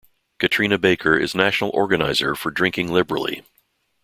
Katrina Baker is National Organizer for Drinking Liberally.